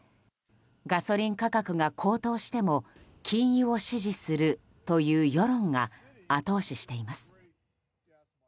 ガソリン価格が高騰しても禁輸を支持するという世論が後押ししています。